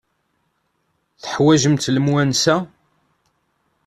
Teḥwajemt lemwansa?